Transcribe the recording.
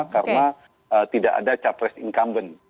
karena tidak ada cawapres incumbent